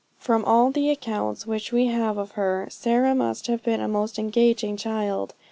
From all the accounts which we have of her, Sarah must have been a most engaging child.